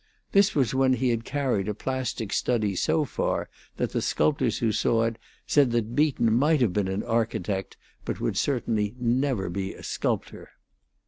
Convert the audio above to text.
This was when he had carried a plastic study so far that the sculptors who saw it said that Beaton might have been an architect, but would certainly never be a sculptor.